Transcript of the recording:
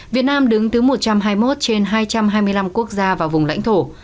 việt nam đứng thứ một trăm hai mươi một trên hai trăm hai mươi năm quốc gia và vùng lãnh thổ